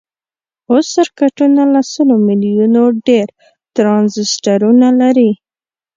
اوس سرکټونه له سلو میلیونو ډیر ټرانزیسټرونه لري.